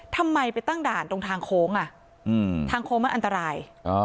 ทำไมไปตั้งด่านตรงทางโค้งอ่ะทางโค้งมันอันตราย